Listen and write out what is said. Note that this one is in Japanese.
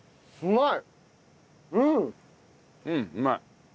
うまい。